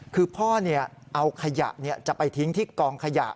คือพ่อเอาขยะจะไปทิ้งที่กองขยะ